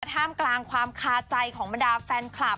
ท่ามกลางความคาใจของบรรดาแฟนคลับ